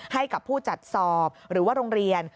ให้กับผู้จัดสอบหรือว่าโรงเรียน